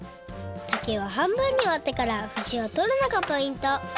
竹は半分にわってからふしをとるのがポイント